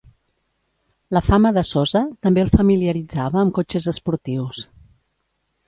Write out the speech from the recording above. La fama de Sosa també el familiaritzava amb cotxes esportius.